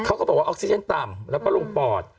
เขาก็บอกว่าออกซิเจนต่ำแล้วก็ลงปอด